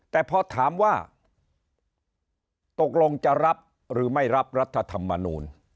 แต่พอถามว่าตกลงจะรับหรือไม่รับรัฐธรรมนูล